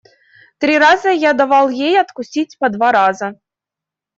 Три раза я давал ей откусить по два раза.